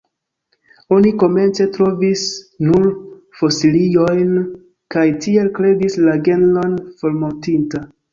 Oni komence trovis nur fosiliojn, kaj tiel kredis la genron formortinta.